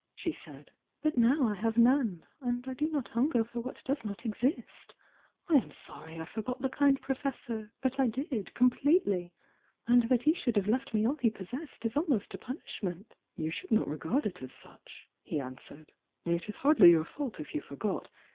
she said. "But now I have none. And I do n ,t hunger for what does not exist I I am sony I forgot the kind Professor. But I did, — completely! And that he should have left roe all he possessed is almost a punishment!" "You should not regard it as such," he answered. "It is hardly your fault if you forgot.